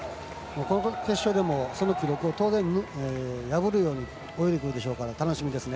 決勝でもその記録を、当然破るように泳いでくるでしょうから楽しみですね。